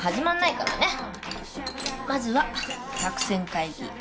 まずは作戦会議。